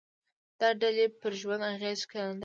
دا ډلې پر ژوند اغېز ښندلای شي